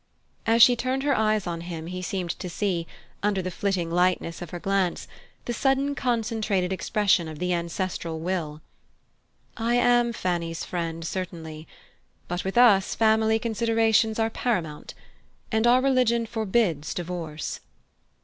As she turned her eyes on him he seemed to see, under the flitting lightness of her glance, the sudden concentrated expression of the ancestral will. "I am Fanny's friend, certainly. But with us family considerations are paramount. And our religion forbids divorce."